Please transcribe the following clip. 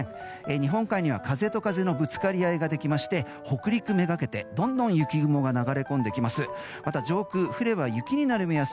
日本海には風と風のぶつかり合いができまして北陸めがけてどんどん雪雲が流れてきます。